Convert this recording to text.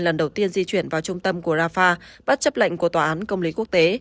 lần đầu tiên di chuyển vào trung tâm của rafah bất chấp lệnh của tòa án công lý quốc tế